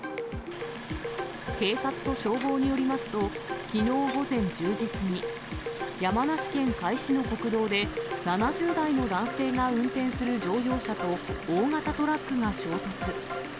警察と消防によりますと、きのう午前１０時過ぎ、山梨県甲斐市の国道で７０代の男性が運転する乗用車と大型トラックが衝突。